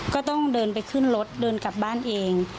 ก็ต้องเดินไปขึ้นรถเดินกลับบ้านเอง